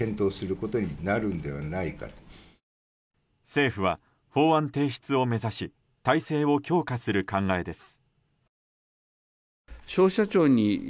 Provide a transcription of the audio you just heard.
政府は法案提出を目指し体制を強化する考えです。